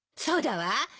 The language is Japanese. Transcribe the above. そうだわ。